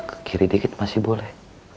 ke kiri dikit masih boleh